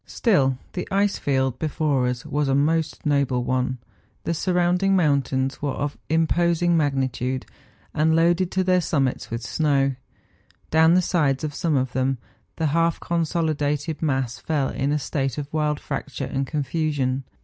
Still, the ice field before us was a most noble one. The surrounding mountains were of imposing magnitude, and loaded to their summits THE FINSTEKAARHORX. 41 with snow. Down the sides of some of them the half consolidated mass fell in a state of wild fracture and confusion.